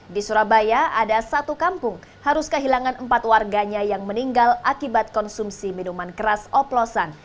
di surabaya ada satu kampung harus kehilangan empat warganya yang meninggal akibat konsumsi minuman keras oplosan